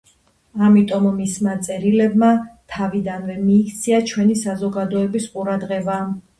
ამიტომ მისმა წერილებმა თავიდანვე მიიქცია ჩვენი საზოგადოების ყურადღება.